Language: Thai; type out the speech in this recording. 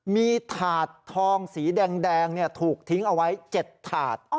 มีถาดทองสีแดงถูกทิ้งเอาไว้๗ถาด